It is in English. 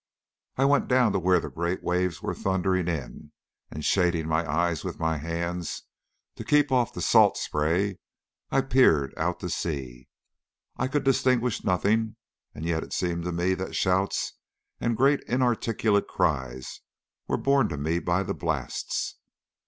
I went down to where the great waves were thundering in, and shading my eyes with my hands to keep off the salt spray, I peered out to sea. I could distinguish nothing, and yet it seemed to me that shouts and great inarticulate cries were borne to me by the blasts.